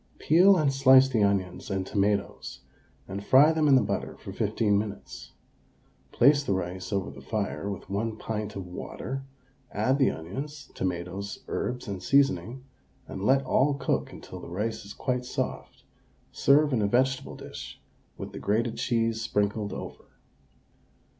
Peel and slice the onions and tomatoes and fry them in the butter for 15 minutes; place the rice over the fire with 1 pint of water; add the onions, tomatoes, herbs, and seasoning, and let all cook until the rice is quite soft; serve in a vegetable dish with the grated cheese sprinkled over.